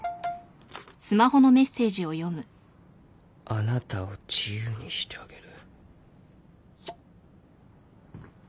「あなたを自由にしてあげる」